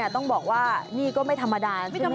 ต้องบอกว่านี่ก็ไม่ธรรมดาใช่ไหม